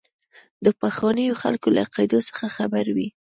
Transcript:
د پخوانیو خلکو له عقیدو څخه خبروي.